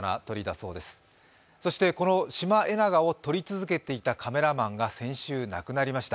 そして、このシマエナガを取り続けていたカメラマンが先週、亡くなりました。